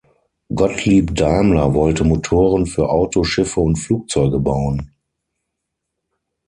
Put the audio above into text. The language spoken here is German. Gottlieb Daimler wollte Motoren für Autos, Schiffe und Flugzeuge bauen.